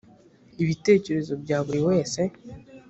ibitekerezo bya buri wese